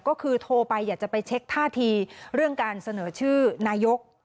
ก็คือโทรไปอยากจะไปเช็คท่าทีเรื่องการเสนอชื่อนายก